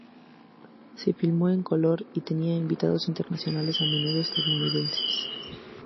Se filmó en color y tenía invitados internacionales, a menudo estadounidenses.